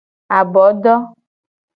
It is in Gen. Abodo.